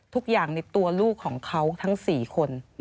ทุกอย่างในตัวลูกของเขาทั้ง๔คน